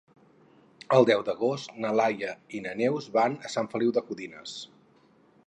El deu d'agost na Laia i na Neus van a Sant Feliu de Codines.